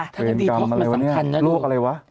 เทศกรรมอะไรวะเนี่ยโรคอะไรวะ